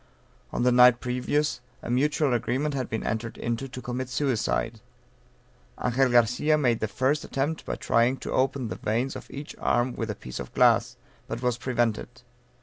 On the night previous, a mutual agreement had been entered into to commit suicide. Angel Garcia made the first attempt by trying to open the veins of each arm with a piece of glass; but was prevented.